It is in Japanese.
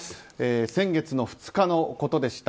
先月の２日のことでした。